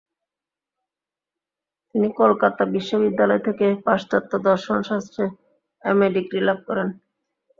তিনি কলকাতা বিশ্ববিদ্যালয় থেকে পাশ্চাত্য দর্শন শাস্ত্রে এম. এ ডিগ্রি লাভ করেন।